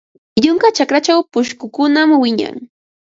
Yunka chakrachaw pushkukunam wiñan.